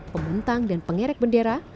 pembentang dan pengerek bendera